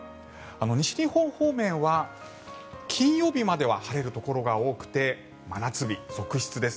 西日本方面は金曜日までは晴れるところが多くて真夏日続出です。